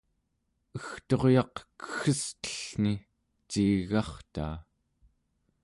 egturyaq keggestellni ciigartaa